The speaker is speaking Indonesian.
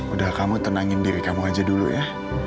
udah kamu tenangin diri kamu aja dulu ya